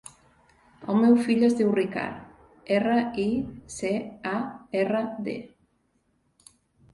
El meu fill es diu Ricard: erra, i, ce, a, erra, de.